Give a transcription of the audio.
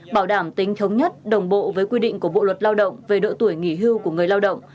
bảo đảm tính thống nhất đồng bộ với quy định của bộ luật lao động về độ tuổi nghỉ hưu của người lao động